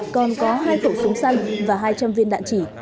còn có hai khẩu súng săn và hai trăm linh viên đạn chỉ